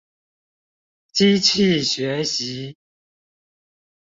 機器學習